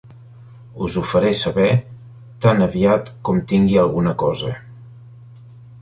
Us ho faré saber tan aviat com tingui alguna cosa.